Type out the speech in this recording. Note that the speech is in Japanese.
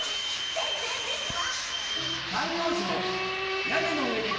ぜんぜんですわ！